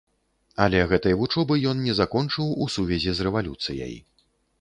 Але гэтай вучобы ён не закончыў у сувязі з рэвалюцыяй.